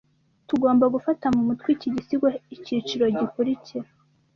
Tugomba gufata mu mutwe iki gisigo icyiciro gikurikira.